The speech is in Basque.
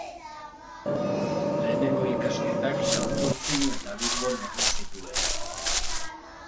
Lehenengo ikasketak Santurtzin eta Bilbon egin zituen.